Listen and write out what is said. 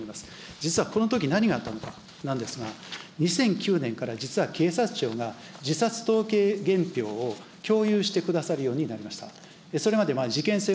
実はこのとき何があったのかなんですが、２００９年から実は警察庁が自殺統計げんぴょうを共有してくださるようになりました。